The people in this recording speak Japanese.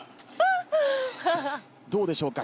どうでしょうか？